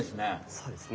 そうですね。